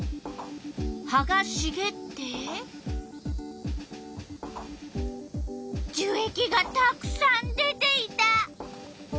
葉がしげって樹液がたくさん出ていた。